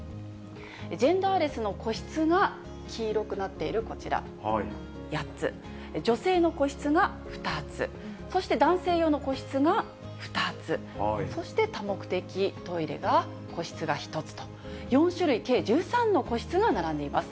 ジェンダーレスの個室が黄色くなっているこちら、８つ、女性の個室が２つ、そして男性用の個室が２つ、そして多目的トイレが個室が１つと、４種類、計１３の個室が並んでいます。